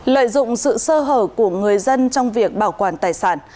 lợi dụng sự sơ hở của người dân trong việc bảo quản tài sản